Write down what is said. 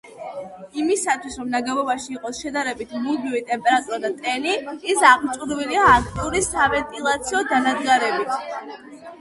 იმისათვის, რომ ნაგებობაში იყოს შედარებით მუდმივი ტემპერატურა და ტენი, ის აღჭურვილია აქტიური სავენტილაციო დანადგარებით.